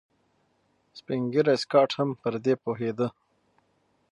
سپين ږيری سکاټ هم پر دې پوهېده.